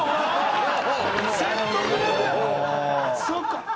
そうか。